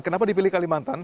kenapa dipilih kalimantan